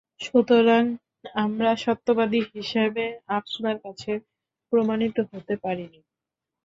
সুতরাং আমরা সত্যবাদী হিসেবে আপনার কাছে প্রমাণিত হতে পারিনি।